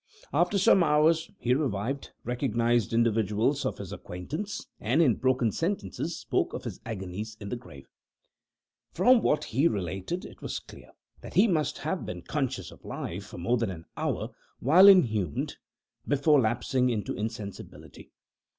After some hours he revived, recognized individuals of his acquaintance, and, in broken sentences spoke of his agonies in the grave. From what he related, it was clear that he must have been conscious of life for more than an hour, while inhumed, before lapsing into insensibility.